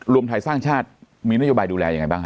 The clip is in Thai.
รวมไทยสร้างชาติมีนโยบายดูแลยังไงบ้างฮ